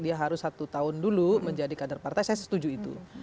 dia harus satu tahun dulu menjadi kader partai saya setuju itu